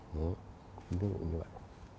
ví dụ như vậy